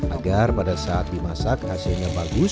agar pada saat dimasak hasilnya bagus